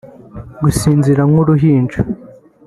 Gusinzira nk’uruhinja